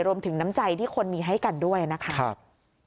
รวมถึงน้ำใจที่ควรมีให้กันด้วยนะครับ